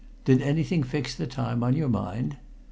"Did anything fix the time on your mind?"